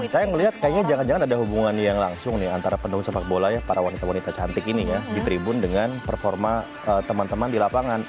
saya melihat kayaknya jangan jangan ada hubungan yang langsung nih antara pendukung sepak bola ya para wanita wanita cantik ini ya di tribun dengan performa teman teman di lapangan